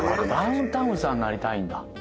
ダウンタウンさんになりたいんだ。